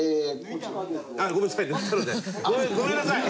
あっごめんなさい。